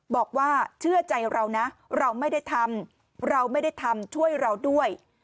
บอกว่าเชื่อใจเรานะเราไม่ได้ทำเราไม่ได้ทำช่วยเราด้วย